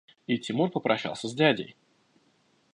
И Тимур попрощался с дядей.